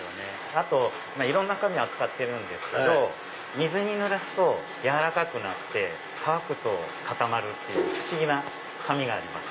あといろんな紙扱ってるんですけど水にぬらすとやわらかくなって乾くと固まるっていう不思議な紙があります。